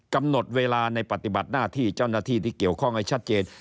กำหนดเวลาในปฏิบัติหน้าที่เจ้าหน้าที่ที่เกี่ยวข้องให้ชัดเจน